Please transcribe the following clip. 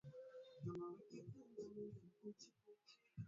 Kuteleza kwa matope katikati ya kila mtu inaaibisha sana